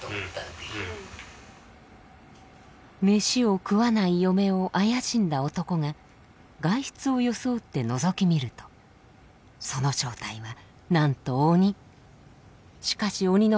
飯を食わない嫁を怪しんだ男が外出を装ってのぞき見るとその正体はなんと鬼。